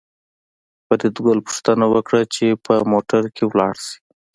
فریدګل غوښتنه وکړه چې په موټر کې لاړ شي